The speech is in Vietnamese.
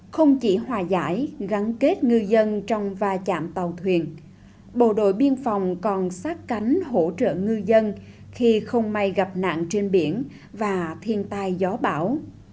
không chỉ hòa giải gắn kết ngư dân trong va chạm tàu thuyền bộ đội biên phòng còn sát cánh hỗ trợ ngư dân khi không may gặp nạn trên biển và thiên tai gió bão